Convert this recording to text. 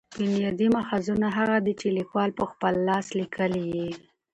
بنیادي ماخذونه هغه دي، چي لیکوال په خپل لاس لیکلي يي.